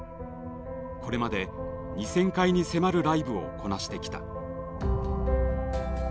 これまで２０００回に迫るライブをこなしてきた。